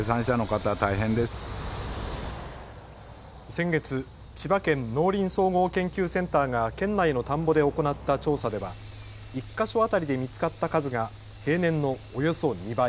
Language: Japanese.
先月、千葉県農林総合研究センターが県内の田んぼで行った調査では１か所当たりで見つかった数が平年のおよそ２倍。